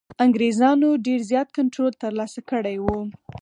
انګرېزانو ډېر زیات کنټرول ترلاسه کړی وو.